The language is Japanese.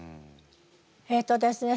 えっとですね